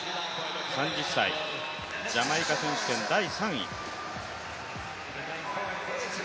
３０歳、ジャマイカ選手権第３位。